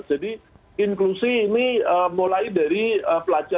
jadi inklusi ini mulai dari pelajar itu ke pelajar